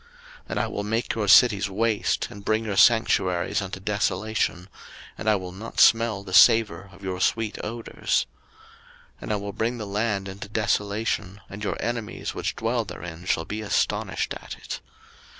03:026:031 And I will make your cities waste, and bring your sanctuaries unto desolation, and I will not smell the savour of your sweet odours. 03:026:032 And I will bring the land into desolation: and your enemies which dwell therein shall be astonished at it.